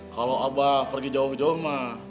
kalau abah pergi jauh jauh mah